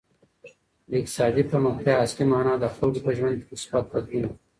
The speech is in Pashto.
د اقتصادي پرمختيا اصلي مانا د خلګو په ژوند کي مثبت بدلون دی.